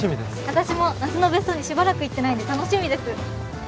私も那須の別荘にしばらく行ってないんで楽しみです。